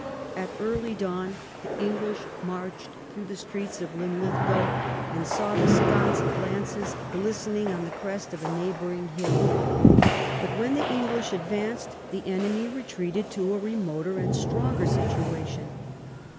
At early dawn the English marched through the streets of Linlitligow, and saw the Scots lances glistening on the crest of a neighbouring hill. But wlien the English advanced, the enemy retreated to a remoter and stronger situation.